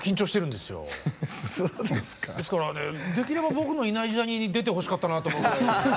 ですからねできれば僕のいない時代に出てほしかったなと思って。